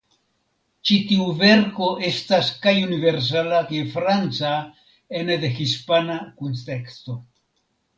Ĉi tiu verko estas kaj universala kaj franca ene de hispana kunteksto.